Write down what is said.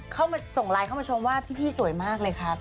คุณพูดที่ผมส่งไลน์เข้ามาชมว่าพี่สวยมากเลยค่ะ